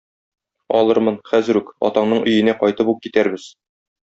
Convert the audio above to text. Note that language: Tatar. Алырмын, хәзер үк, атаңның өенә кайтып ук китәрбез.